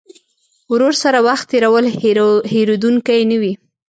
ورور سره وخت تېرول هېرېدونکی نه وي.